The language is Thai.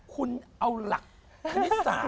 คุณเอาหลักธนิษฐาน